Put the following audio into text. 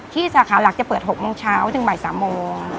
สาขาหลักจะเปิด๖โมงเช้าถึงบ่าย๓โมง